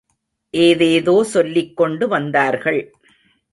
ஏதேதோ சொல்லிக்கொண்டு வந்தார்கள்.